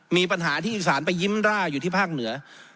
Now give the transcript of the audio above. มีปัญหาที่อีสานไปยิ้มร่าอยู่ที่ภาคเหนือ